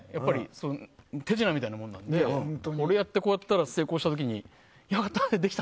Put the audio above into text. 手品みたいなものなのでこれやって、こうやって成功した時に、できた！